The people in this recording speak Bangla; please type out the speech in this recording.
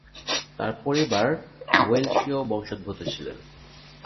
তার পরিবার ওয়েলশীয় বংশোদ্ভূত ছিলেন।